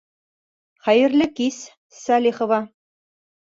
Хәйерле кис, Сәлихова!